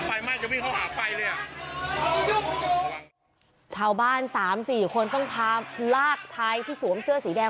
ถึงจะมีเขาหาไปเลยอ่ะเสาบ้านสามสี่คนต้องพาลากชายที่สวมเสื้อสีแดง